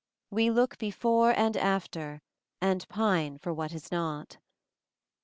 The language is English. "We look before and after And pine for what Is not."